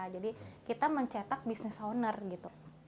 jadi kita mencetak bisnis owner gitu